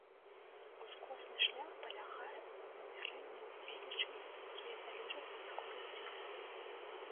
Ускосны шлях палягае ў вымярэнні велічынь, якія залежаць ад скорасці руху.